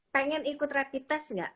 pengen ikut rapid test nggak